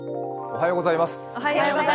おはようございます。